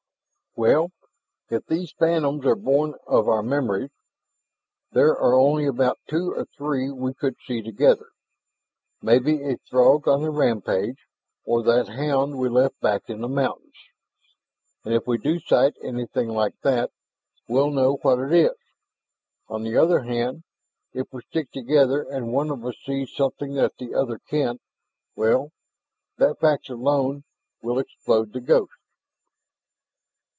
"Well, if these phantoms are born of our memories there are about only two or three we could see together maybe a Throg on the rampage, or that hound we left back in the mountains. And if we do sight anything like that, we'll know what it is. On the other hand, if we stick together and one of us sees something that the other can't ... well, that fact alone will explode the ghost."